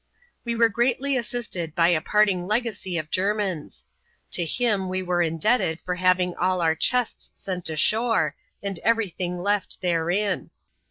We were greatly assisted by a parting legacy of Jermin's. To him we were indebted for having all our chests sent ashore, and every thing left therein.